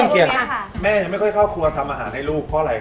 เขียนแม่ยังไม่ค่อยเข้าครัวทำอาหารให้ลูกเพราะอะไร